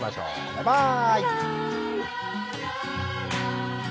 バイバーイ。